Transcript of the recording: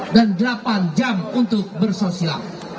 dan delapan jam untuk bersosial